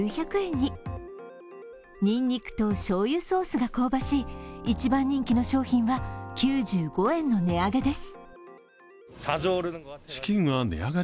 にんにくとしょうゆソースが香ばしい一番人気の商品は９５円の値上げです。